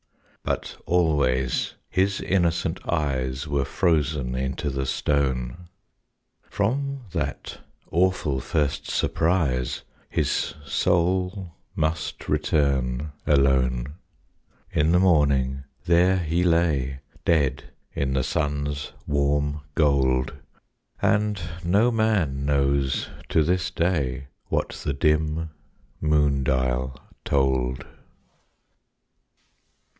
But always his innocent eyes Were frozen into the stone. From that awful first surprise His soul must return alone. In the morning there he lay Dead in the sun's warm gold. And no man knows to this day What the dim moondial told.